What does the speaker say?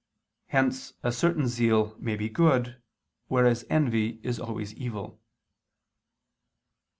Hence a certain zeal may be good, whereas envy is always evil.